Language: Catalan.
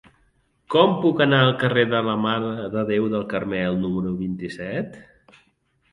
Com puc anar al carrer de la Mare de Déu del Carmel número vint-i-set?